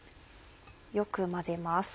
よく混ぜます。